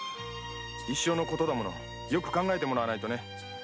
一生の事だものよく考えてもらわないとね。